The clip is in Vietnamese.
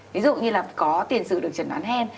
ví dụ như là có tiền sự được chẩn đoán hen